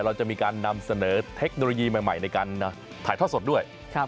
เราจะมีการนำเสนอเทคโนโลยีใหม่ในการถ่ายทอดสดด้วย